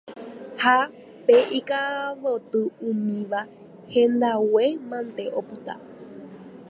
ha pe ika'avoty umíva, hendague mante opyta